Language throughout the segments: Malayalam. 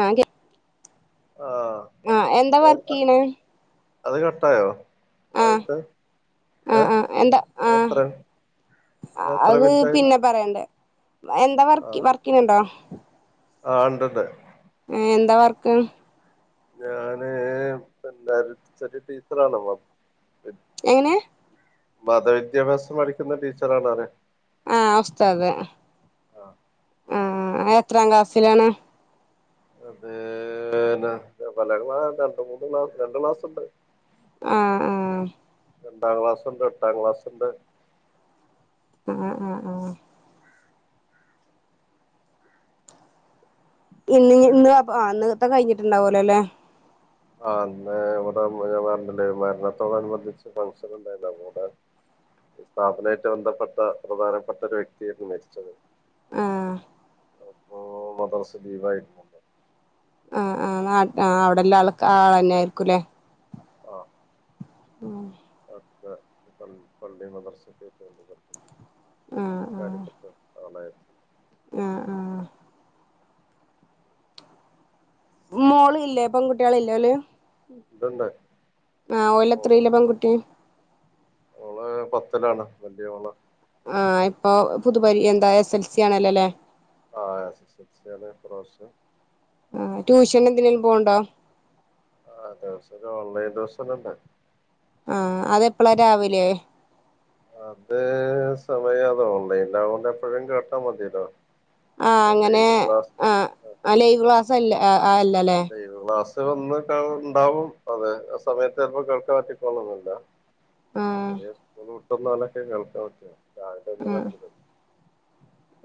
ആ ആഹ് ആ എന്താ അത് വർക്ക് ചെയ്യ്ണെ? അത് കട്ടായോ? ആ ആദ്യത്തെ ആ ഏഹ് ആ എന്താ ആ അതെത്ര അതെത്ര അത് മിനിറ്റായി പിന്നെ പറയണ്ട എന്താ വർക്ക് വർക്ക് ചെയ്യുന്നുണ്ടോ? ആ ഇണ്ട്ണ്ട്. ഏന്താ വർക്ക്. ഞാന് പിന്നെ ചെറിയ ടീച്ചറാണമ്മ. എങ്ങനെ? മതവിദ്യാഭ്യാസം പഠിക്കുന്ന ടീച്ചറാണാ? ആ ഉസ്താദ് അ ആ എത്രാം ക്ലാസിലാണ്? അത് പല ക്ലാ രണ്ട് മൂന്ന് ക്ലാസ് രണ്ടു ക്ലാസുണ്ട്. ആ ആ രണ്ടാം ക്ലാസുണ്ട് എട്ടാം ക്ലാസുണ്ട്. ആ അ അ ഇന്ന് ഇന്ന് ഇന്നത്തെ കഴിഞ്ഞിട്ടുണ്ടാവുല്ലോലെ? ആഹ് ഇവിടെ ഞാൻ പറഞ്ഞില്ലേ മരണത്തോടനുബന്ധിച്ച് ഫംഗഷൻ ഉണ്ടായിരുന്നവിടെ സ്ഥാപനമായിട്ട് ബന്ധപ്പെട്ട പ്രധാനപ്പെട്ട ഒരു വ്യക്തിയരുന്നു മരിച്ചത് ആഹ് അപ്പൊ മദർസ ലീവ് ആയിരുന്നു അഹ് ആഹ് ഉം പള് പള്ളി മദ്രസ ക്ക്‌ ആ കാര്യപ്പെട്ട ആളാർന്ന ആഹ്ആഹ് മോള് ഇല്ലേ പെൺ കുട്ട്യേൾ ഇല്ലേ ഓല് ഇതുണ്ട് ആ ഓലത്രയിലാ പെൺകുട്ടിയെ ഓള് പത്തിലാണ് വല്യ ഓള് ആഹ് ഇപ്പൊ പുതുപരി എന്താ എസ് എൽ സി ആണല്ലല്ലേ ആഹ് പ്രോശ ആഹ് ട്യൂഷൻ എന്തിനെങ്കിലും പോണ്ടോ ആഹ് ദെവസ ഓൺലൈൻ ദിവസംന്നല്ല ആഹ് അതെപ്പെളാ രാവിലെ അതേ സമയം അതോൺലൈൻ ആയകൊണ്ട് എപ്പോഴും കേട്ടാ മതില്ലോ ആഹ് അങ്ങനെ ആഹ് അ ലൈവ് ക്ലാ സല് ആ ആ അല്ലല്ലേ ലൈവ് ക്ലാസ് വന്ന് ഇണ്ടാവും അതെ സമയത്ത് അപ്പോ കേൾക്കാൻ പറ്റിക്കോള് ന്നൊന്നില്ല ആഹ് അതെ സ്കൂ തൊറ്ന്നാലൊക്കെ കേൾക്കാപറ്റ [inaudible] കരച്ചില്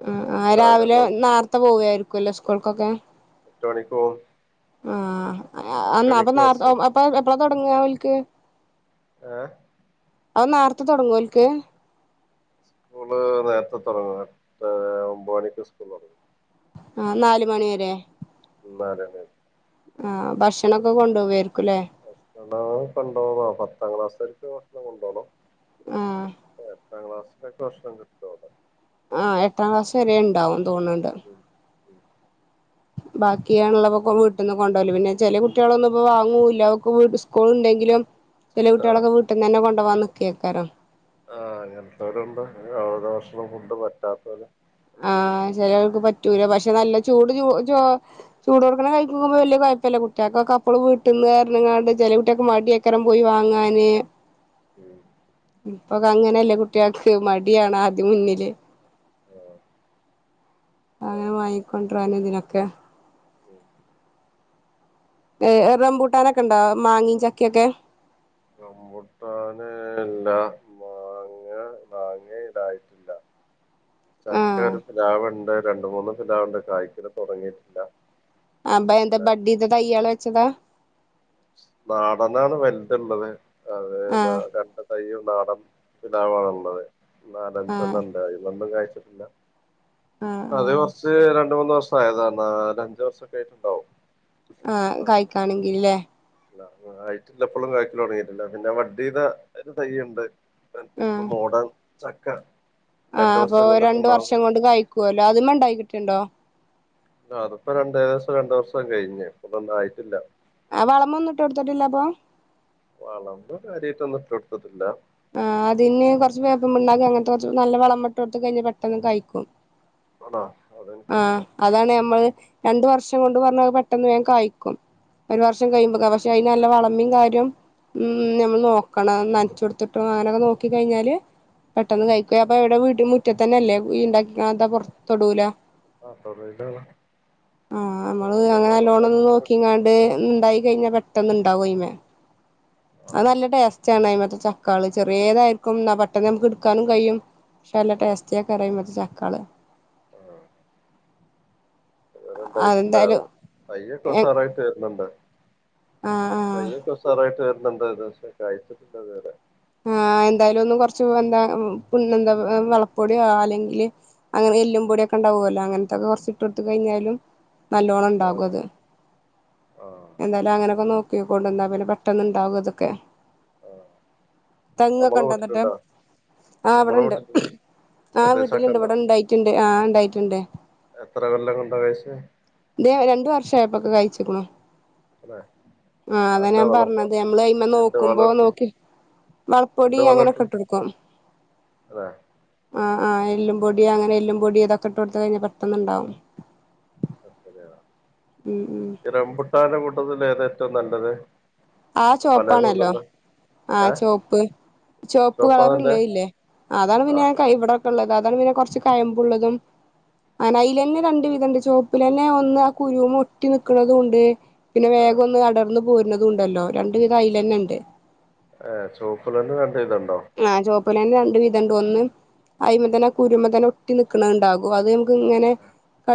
ഉം ആഹ് രാവിലെ നാർത്തെ പോവയായിരിക്കുല്ലോ സ്കൂൾ ഓക്കെ എട്ട് മണിക്കോവും ആഹ് എന്നാ [unintelligible] വരും അപ്പൊ [unintelligible] അപ്പൊ തൊടങ്ങാ ഓലക്ക് ആഹ് അഹ് നേരത്തെ തൊടങ്ങോ ഓല്ക്ക് സ്കൂള് നേരത്തെ തുടങ്ങും എട്ട് ഒമ്പ മണിക്ക് സ്കൂൾ തുടങ്ങും ആ നാല് മണി വരെ അതെതെ ആ ഭക്ഷണൊക്കെ കൊണ്ടുപോവ ക്കുല്ലെ [unintelligible] കൊണ്ടോകും പത്താം ക്ലാസ്കരക്ക് ഭക്ഷണം കൊണ്ടുോണം ആഹ് പത്താം ക്‌ളാസിലെക്കെ ഭക്ഷ ണം കിട്ടോവുടെ ആ എട്ടാം ക്ലാസ്സ് വെരെയെണ്ടാവും [unintelligible] ഉം ഉം ബാക്കിയാണ്ള്ളപ്പക്കോ വീട്ട്ന്ന് കൊണ്ട് പോവല് പിന്നെ ചെല കുട്ട്യോള് ഒന്നും ഇപ്പോം വാങ്ങോ ഇല്ല ഓക്ക് വീട്ട് ഉസ്‌കൂള് ഇണ്ടെങ്കിലും ചെല ആഹ് കൂട്ടിയെള്ളെക്കേ വീട്ടിന്നന്നേ കൊണ്ട് ഇപ്പ വന്ന് കേക്കാറാ ആ അങ്ങനെത്തോര്ണ്ട് [unintelligible] ഭക്ഷണം ഫുഡ് പറ്റാത്തോര് ആ ചെലോൽക്ക് പറ്റൂല്ലാ പഷെ നല്ല ചുട് ചൂട് ചോ ചുടോട്ക്കണ കഴിക്കുമ്പോ വല്ല്യാ കൊഴപ്പില്ലാ കുട്ടീക്കെ അപ്പളം വീട്ടിന്ന് പറഞ്ഞ്ങ്ങാണ്ട് ചെല കുട്ട്യോക്ക് മടിയാ കാരണം പോയി വാങ്ങാന് ഉം ഇപ്പെക്കേ അങ്ങനെ അല്ലേ കുട്ടിയോക്ക് മടിയാണ് ആദ്യം മുന്നില് ആഹ് ആഹ് അങ്ങനെ വാങ്ങിക്കൊണ്ടെരാന് ഇതിനൊക്കെ ഉം യെ റെമ്പൂട്ടാനെക്കേ ളണ്ടോ മാങ്ങേ, ചക്കയൊക്കെ റമ്പൂട്ടാൻ മാങ്ങയിലായിട്ടില്ല ചക്ക ആഹ് ഒരു പ്ലാവുണ്ട് രണ്ട്, മുന്നോക്കെ ഇടാറൊണ്ട് കായ്ക്കല്ല് തൊടങ്ങിയിട്ടില്ലാ അപ്പം എന്താ ബെഡ് ചെയ്ത തൈയ്ക്കള് വെച്ചതാ നാടനാണ് വൽത്ള്ളത് അതെ നാ ആഹ് രണ്ട് തൈയും നാടാൻ ഇണ്ടാവാനുള്ളത് നാല്, അഞ്ച് ആഹ് എണ്ണം ഒണ്ടായി ഒരെണ്ണം കായിച്ച് ഇല്ലാ ആഹ് അത് ആഹ് കൊറച്ച് രണ്ട്, മൂന്ന് ദെവസം ആയാതാ [unintelligible] ആാ കാഴിക്കാണെങ്കില്ലോ [unintelligible] [unintelligible] ആാ ആാ അപ്പേ രണ്ട് വർഷം കൊണ്ട് കായ്ക്കുവല്ല്യാ അതമേ ഒണ്ടായിട്ടിണ്ടോ അത് ഇപ്പം രണ്ട് ഏകദേശം രണ്ട് വർഷേക്കേ കഴിഞ്ഞ് [unintelligible] ആയാട്ടില്ലാ ആ വളെമെന്നും ഇട്ട് കൊട്ത്തിട്ടില്ലാ അപ്പം വളെന്നും കാര്യായിട്ട് ഒന്നും ഇട്ട് കൊട്ത്തിട്ടില്ലാ [unintelligible] ആണോ ആാ അതെനിക്കറിയില്ല അതാണ് ഞമ്മള് രണ്ട് വർഷം കൊണ്ട് വന്ന് പെട്ടന്ന് വേഗം കായിക്കും ഒര് വർഷം കഴിമ്പോ [unintelligible] നല്ലാ വളമി കാര്യം ഉം ആഹ് നമ്മള് നോ ണെ ഒന്ന് നനച്ചേ ട്ട് അങ്ങാനേ നോക്കി കഴിഞ്ഞാല് പെട്ടന്ന് ആഹ് കഴിക്കും അപ്പം എവടെ വീട്ടിൻ്റെ മൂറ്റാത്ത് തന്നെ അല്ലോ [unintelligible] [unintelligible] തൊടുലാ ആഹ് തൊടൂലാണ് ആാ നമ്മള് അതൊക്കെ അങ്ങനെ കാണുമ്പോ നല്ലോണം ഇച്ചിരി നോക്കി കാണ്ട് ഒണ്ടായി കഴിഞ്ഞാ പെ റ്റാന്ന് ഒണ്ടായ്മെ അത് നല്ലാ ടെസ്സ്റ്റ് ആണ് മ ക്കാള് ചെറിയതായിരിക്കും പെട്ടെന്ന് നമുക്ക് എടുക്കാനും കഴിയും നല്ല ടേസ്റ്റ് കറി വെക്കാനക്ക്ള ഉം അതെന്തായാലും എ [inaudible] ആഹ് ആഹ് കയ്യൊക്കെ ഉഷാറായിട്ട് വരുന്നു [unintelligible] എന്തായാലും ഒന്ന് കുറച്ചവള കൊടിയ അല്ലെങ്കിൽ എല്ലും പൊടിയും ഒക്കെ ഉണ്ടാവില്ലേ അങ്ങനെ കുറച്ച് കൊടുത്തുകഴിഞ്ഞാലും നല്ലോണം നാല് ഉണ്ടാവുഅത് ആ എന്തായാലും അങ്ങനെയൊക്കെ നോക്കിക്കൊണ്ടെന്നാ പെട്ടെന്ന് ഉണ്ടാവും അതൊക്കെ ആ നമ്മളെ തെങ്ങക്കണ്ടങ്ങക്ക് വീട്ടിലുണ്ടോ ആ ഇവിടെ നമ്മളെ ഉണ്ട് വീട്ടിൽ ആ തദ്ദേശാക്ക വീട്ടിലുണ്ട് ഉണ്ടോ ഇവിടെ ഉണ്ടായിട്ടുണ്ട് ആ ഉണ്ടായി എന്റെ എത്ര കൊല്ലം കൊണ്ട് കായ്ച ദേ രണ്ടുവർഷമായി ഇപ്പൊ കായച്ചേക്കണ അല്ലെ ആ അത് എന്താ ഞാൻ വളം പറഞ്ഞത് നമ്മുടെ എന്ത് നോക്കുമ്പോൾ വളർത്തും വളപ്പൊടി എന്ത് അങ്ങനെ ക്കെ വളർത്തും ഇട്ടടക്കും അല്ലെ അ ആ എല്ലും ആ പൊടി അങ്ങനെ എല്ലും പൊടി ഇതൊ അത് ഇട്ട് കൊടുത്ത് കഴിഞ്ഞാൽ പെട്ടെന്ന് ഉണ്ടാവും ഇ റംബൂട്ടാൻ കൊ അതിന് ഏതാ ഏറ്റവും നല്ലത് ആ ഇപ്പൊ ചുവപ്പ് പലതും ആണല്ലോ ഉണ്ടല്ലോ ആ ഏഹ് ചുവപ്പ് ചുവപ്പ് ചുവപ്പാ കളർ നല്ലേ ഉള്ളേതില്ലേഅതാണ് ആ പിന്നെ തൈ ഇവിടെ ഉള്ളത് അതാണ് പിന്നെ കുറച്ച് കയ്മ്പ ഉള്ളതും അങ്ങനെ അയിലന്ന രണ്ട് വിധണ്ട് ചുവപ്പ് അയിലെന്നെ ഒന്ന് ആ കുരുമെ ഒട്ടി നിൽക്കുന്നതുണ്ട് പിന്നെ ആ വേഗം ഒന്ന് അടർന്ന് പോരുന്നത് ഉണ്ട് ല്ലോ രണ്ടുവിധ ഐലന് ഉണ്ട് ആ ചുവപ്പ് കളറിന് സെയിൽ ഉണ്ടോ അതുപോലെതന്നെ രണ്ടുവിധമുണ്ട് ഒന്ന് അയ്മതന്നെ കുരുമ തന്നെ ഒട്ടിനിൽക്കണണ്ടാവും അത് ത് ഇങ്ങനെ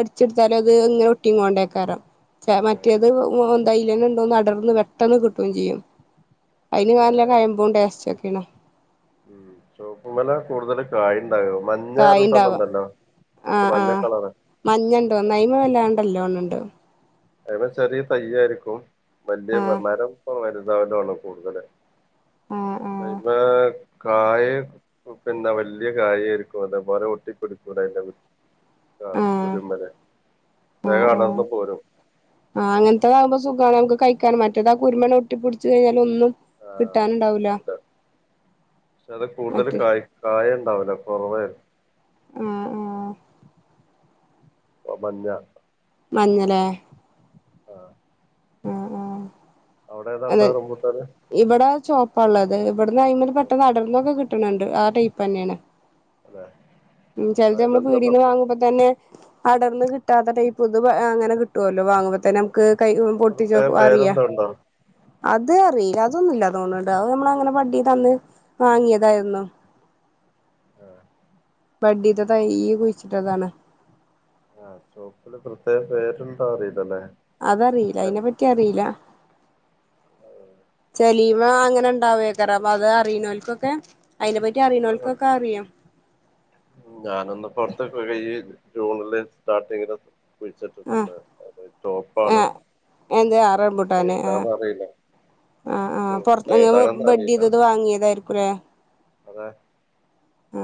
ച്ച് ടുത്താലത് ഇങ്ങനെ ഒട്ടിയും കൊണ്ട് കയറാം മറ്റേത് എന്തായപെട്ടെന്ന് അടർന്ന് കിട്ടുകയും ചെയ്യും അതിന് നല്ലകയ്മ്പും ടേസ്റ്റ പിന്നെ ചുവപ്പു മേലാ കൂടുതൽ കായ കായ്ണ്ടാവ ആ ഒരു ആ മഞ്ഞ കളറ് മഞ്ഞണ്ട് അതമ്മ വല്ലാണ്ട് ഉണ്ടാവും എന്ന് ഉണ്ടോ ചിലപ്പോൾ ചെറിയ തൈ ആയിരിക്കും [inaudible] ആ [unintelligible] കൂടുതല് ആ ആ [unintelligible] കായെ പിന്നെ വല്യാ കായായിരിക്കും അതേപോലെ ഒട്ടി [unintelligible] ആാ ആ ആ കുര്മനെ വേഗം അടന്ന് പോരും ആാ അങ്ങനത്തെതാകുമ്പോ സുഖാണ് നമക്ക് കഴിക്കാനും മറ്റേതാ കുരുമണ ഒട്ടിപ്പടിച്ച് കഴിഞ്ഞാൽ ഒന്നും ആാ കിട്ടാനുണ്ടാവൂല [unintelligible] പശേ അത് കൂടുതല് മറ്റേ കായാ കായാ ഒണ്ടാവലോ കൊറാ ആആ ഓ മഞ്ഞാ മഞ്ഞലെ ആാ ആാ ആാ അതെ ഉള്ളെ റംബൂട്ടാന് ഇവടെ ചോ ഒള്ളത് ഇവടെന്ന് അയ്മല് പെട്ടന്നെക്കേ അടന്നോക്കി കിട്ടണെണ്ട് ആടെ ഇപ്പേ തന്നെയാണ് അല്ലെ ഉം ചെലത് നമ്മ അതിനെന്താ പിടിന്ന് പ്രത്യേ വാങ്ങ്മ്പാ തന്നെ [inaudible] കൈ പൊട്ടിച്ച് പ്രത്യേക നോക്കമ്പോ അറിയാ പേരെന്തോ ഉണ്ടോ അത് അറിയില്ല അതൊന്നുയില്ലാ തോന്ന്ണ്ട് അത് നമ്മള് അങ്ങനെ ബട്ടി തന്ന് വാങ്ങിയതാരുന്നു ബഡിയെതാ തൈയ്യ് കുഴിച്ചിട്ടതാണ് ആാ ഷോപ്പില് പ്രത്യേക പേര് എന്താ എന്ന് അറിയില്ലല്ലേ അത് അറിയില്ല അയിനേ പറ്റി അറിയില്ല ദലീമ അങ്ങനെ ഒണ്ടാവയക്കറ അപ്പം അത് അറിയുന്നവർക്കൊക്കെ അയിനെ പറ്റി അറിയുന്നേവർക്കൊക്കെ അറിയാം ഉം ഞാനൊന്ന് പൊറത്തേ പിടികെ ജൂണില് സ്റ്റാർട്ടിങ്ങിന് ആഹ് കുഴിച്ചിട്ടിടെണ്ടാരുന്ന് അത് ചെമപ്പാണ് ആഹ് എന്ത് ആ റംബൂട്ടാന് ആഹ് ഏതാന്ന് അറിയില്ല ആഹ് ആഹ് പൊറത്ത് ചെ ഇങ്ങള് ഏതാണാന്ന് അറിയില്ല ബെഡ്യ്തത് വാങ്ങിയതായിരിക്കുംല്ലേ അതെ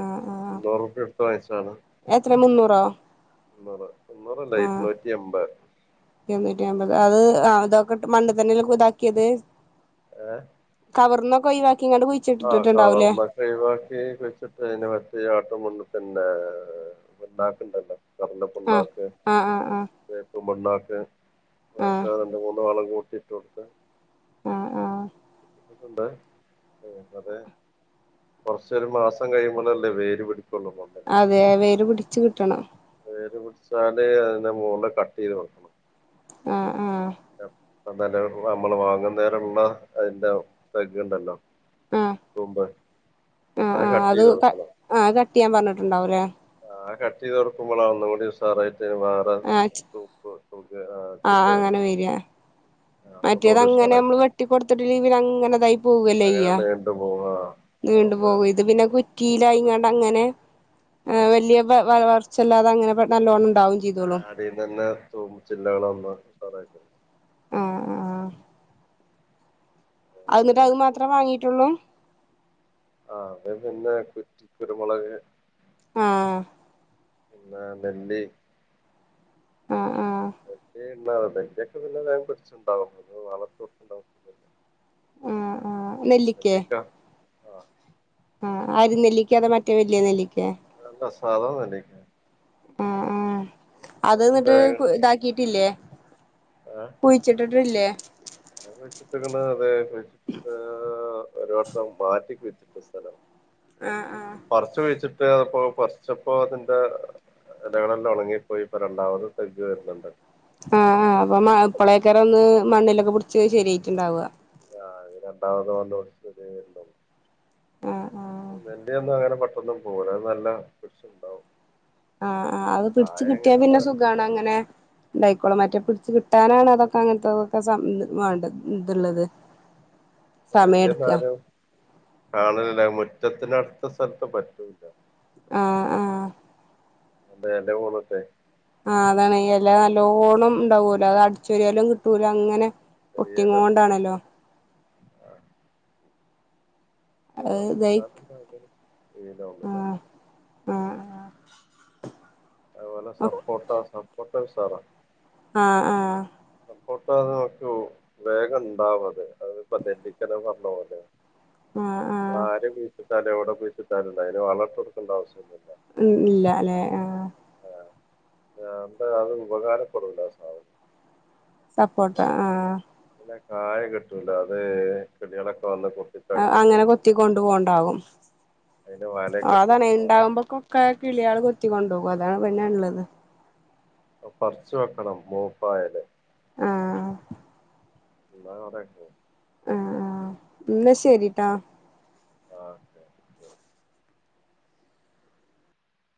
ആഹ് ആഹ് [unintelligible] മന്നൂറ് മുന്നൂറലാല്ലേ ഇരുന്നൂറ്റി എൻപത് എണ്ണൂറ്റി അമ്പത് അത് ആാ ഇതൊക്കെ മണ്ണി തന്നെല്ല കുതാക്കിയത് യെ കവർന്നൊക്കെ ഒഴി ആ കവർമേ തന്നെ ഒഴിയവാക്കി കുയിച്ചിട്ടേന്ന് പിന്നെ [unintelligible] ആഹ് ഏഹ് ആഹ് ആഹ് ആഹ് ഏഹ്. മണ്ണാ ഹേ ആഹ് വയസ്സാണ് അങ്ങനെ പോവുന്ന് മോട്ടിച്ചോ ഏഹ് ആഹ് ആഹ് ഉണ്ട് ഏഹ് അതേ കൊറ്ച്ചൊരു മാസം കയ്യുമ്പോ നല്ല വെയില് പി അതേ വേര് പിടിച്ച് കിട്ടണം വേര് പുടിച്ചാല് അതിന്റെ മോള് കട്ടീത് കൊടുക്കണം ആഹ് ആഹ് അന്നാല് നമ്മള് വാങ്ന്നേരള്ള അതിന്റെ പരിജയണ്ടല്ലൊ ആഹ് മുമ്പ് അത് കട്ടീത് കൊടുക്കണം ട്ടിയ്യ പഞ്ഞിട്ടാണ്ടാവുലെ ആഹ് അത് കട്ടീത അവ്ടെ ഉപ്പും മോളകും ഒന്നും കൂടെ ഉസാറായിട്ട് ആഹ് ച് ആ ചില്ല ആഹ് വരും അങ്ങനെ വരെ ആ, അപ്പൊ ഒന്നുകൂടി മറ്റേതങ്ങനെ ഉഷാറായി ഞമ്മള് വെട്ടി കൊടുത്തിട്ടില്ലെങ്കി പിനങ്ങനെതായി അങ്ങനെ നീണ്ട് പോവാ നീണ്ട് അതുകൊണ്ട് പോവെയ് ഇത് പിന്നെ കൂടുതൽ കുറ്റീലായിങ്ങാണ്ടങ്ങനെ ആ ആഹ് വല്യ വ വളർച്ച ഇല്ലാതങ്ങനെ പെ നല്ലോണം ആഹ് അതെ നന്നാ ചോ മൂച്ചിലള് വന്ന പറയട്ടെ ആഹ് അ ആഹ് അയ്ന്ന്ട്ടയ് മാത്രം വാങ്ങീട്ടൊള്ളു ആഹ് അത് പിന്നെ കുറ്റി കുരുമുളക് ആഹ് പിന്നെ നെല്ലി അ ആഹ് [unintelligible] ഏറ്റവും നല്ലത് വേഗം പിടിച്ച് ഇണ്ടാവും വളർത്തും ണ്ടാവും ആഹ് നെല്ലിക്കെ ആഹ് ആഹ് അരിനെല്ലിക്കെ അതോ മറ്റേ വല്യെ നെല്ലിക്കെ അല്ല സാധാ നെല്ലിക്ക ആഹ് ആഹ് അത് ന്ന്ട്ട് താക്കിട്ടില്ലെ ഏ, കുഴിച്ചിട്ടിട് വില്ലേ അത് മെച്ചക്കെണ്ടാ അതെ ഏഹ് ഏഹ് ഒരു വട്ടം മാറ്റി കുയ്ച്ചിട്ട സ്ഥലം ആഹ് ആഹ് ഇപ്പ പ്പൊ പർച്ചപ്പോ അതിന്റെ എലകളെല്ലാം ഒണങ്ങിപ്പോയി ഇപ്പോ രണ്ടാമത് തയ്യ് വര്ന്ന്ണ്ട് ആഹ് ആ അപ്പ മ ഇപ്പളേക്കാരം ഒന്ന് മണ്ണിലൊക്കെ പുടിച്ച് ശരിയായിട്ട്ണ്ടാവ ആ ഇനി രണ്ടാമത് [unintelligible] ശരിയായി വര്ണ്ടാവും ആ ആ നെല്ലിയ ഒന്നും അങ്ങനെ പെ ഒന്നും പോര അഅ് നല്ല പിടിച്ച്ണ്ടാവും ആഹ് ആ അത് പിടിച്ച് കിട്ടിയാ പിന്നെ സുഖാണ് അങ്ങനെ ഇണ്ടായിക്കോളും മറ്റേ പിടിച്ച് കി ട്ടാനാണ് അതൊക്കെ അങ്ങനത്തെതൊക്കെ സം വേണ്ട ത്ള്ളത് ക്ഷേ നെല്ല്യ മരം കാണലില്ല മുറ്റത്തിനട് ത്ത സലത്ത് പറ്റൂല്ല്യ ആഹ് ആഹ് അൻ്റെ എല പോന്ന്ട്ടേ ആഹ്അതാണ് ഈ എല നല്ലോണം ഉണ്ടാവോലോ അത് അടിച്ചോര്യാലും കിട്ടൂല അങ്ങനെ ചെറിയയിലല്ല ഒട്ടിങ്ങോണ്ടാണല്ലോ അത് ഇതായി റംപുട്ടാ [unintelligible] ലേ ആഹ് ആഹ് [unintelligible] പ്പ ഉഷാറാ ആ ആ ഫോട്ടോ നോ [inaudible] [unintelligible] ആഹ് ആഹ് എവടെ കുയ്ച്ചിട്ടാലെന്താ അയ്ന് വളട്ടോട്ക്കണ്ട ആവശ്യല്ല്യ ഉം ഇല്ല ലെ ആ [unintelligible] സപ്പോട്ട ആഹ് കായ കിട്ടൂല അത് കിളികള അ അങ്ങനെ കൊ അതിന് ഓ വലയൊക്കെ ഇട്ട് അതാണ് കൊടുക്കണം അതൊക്കെ പണി [unintelligible] ആഹ് ഇന്നാ കൊറേ പോവും ആ ഇന്നാ ശരിട്ടാ ആഹ് ശെ ശരി